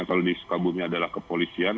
kalau di sukabumi adalah kepolisian